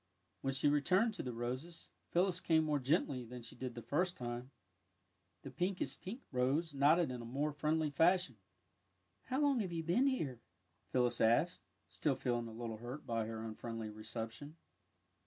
" When she returned to the roses, Phyllis came more genth" than she did the first time. The pinkest pink rose nodded in a more friendly fashion. '^ How long have you been here? " Phyllis asked, still feeling a little hurt by her un friendly reception.